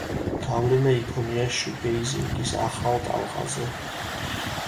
გავლენა იქონია შუგეიზინგის ახალ ტალღაზე.